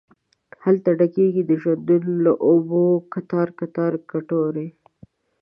هلته ډکیږې د ژوندون له اوبو کتار، کتار کټوري